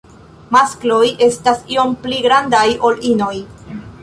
Maskloj estas iom pli grandaj ol inoj.